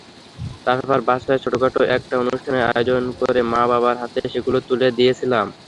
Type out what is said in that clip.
তারপর বাসায় ছোটখাটো একটা অনুষ্ঠানের আয়োজন করে মা-বাবার হাতে সেগুলো তুলে দিয়েছিলাম।